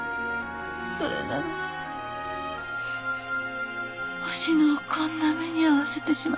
それなのにお志乃をこんな目に遭わせてしまった。